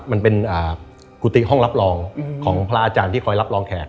มันเป็นกุฏิห้องรับรองของพระอาจารย์ที่คอยรับรองแขก